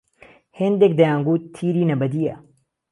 هيندێک دهیانگوت تیرینهبهدییه